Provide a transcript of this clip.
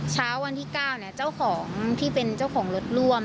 เช้าวันที่๙เจ้าของที่เป็นเจ้าของรถร่วม